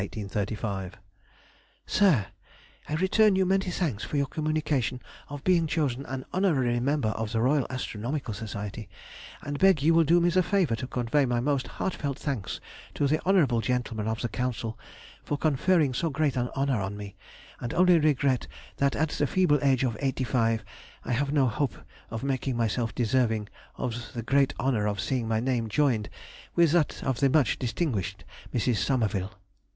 _ SIR,— I return you many thanks for your communication of being chosen an Honorary Member of the Royal Astronomical Society, and beg you will do me the favour to convey my most heartfelt thanks to the honourable gentlemen of the Council for conferring so great an honour on me; and only regret that at the feeble age of 85 I have no hope of making myself deserving of the great honour of seeing my name joined with that of the much distinguished Mrs. Somerville.